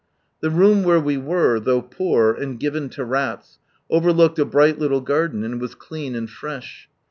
The room where we were, though poor, and given lo rats, overlooked a bright little garden, and was clean and fresh.